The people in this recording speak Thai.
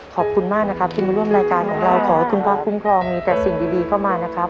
ขอบคุณมากนะครับที่มาร่วมรายการของเราขอให้คุณพระคุ้มครองมีแต่สิ่งดีเข้ามานะครับ